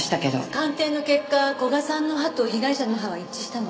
鑑定の結果古賀さんの歯と被害者の歯は一致したの。